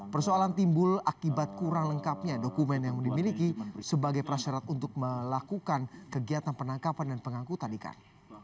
persoalan timbul akibat kurang lengkapnya dokumen yang dimiliki sebagai prasyarat untuk melakukan kegiatan penangkapan dan pengangkutan ikan